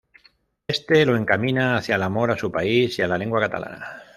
Este lo encamina hacia el amor a su país y a la lengua catalana.